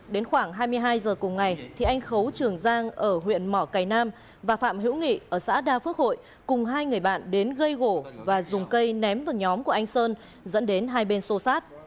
đến khoảng hai mươi hai h cùng ngày thì anh khấu trường giang ở huyện mỏ cầy nam và phạm hữu nghị ở xã đa phước hội cùng hai người bạn đến gây gỗ và dùng cây ném vào nhóm của anh sơn dẫn đến hai bên xô sát